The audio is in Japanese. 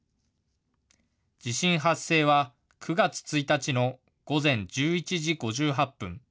地震発生は９月１日の午前１１時５８分。